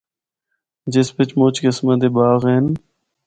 جس بچ مُچ قسماں دے باغ ہن۔